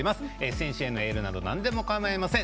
選手へのエールなどなんでもかまいません。